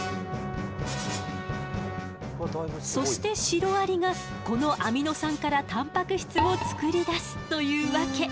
そしてシロアリがこのアミノ酸からたんぱく質を作り出すというわけ。